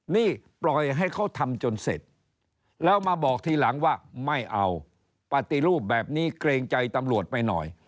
นี่ปล่อยให้เขาทำจนเสร็จแล้วมาบอกทีหลังว่าไม่เอาปฏิรูปแบบนี้เกรงใจตำรวจไปหน่อย